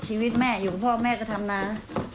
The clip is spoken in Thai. ชีวิตแม่อยู่พ่อแม่ก็ทำมา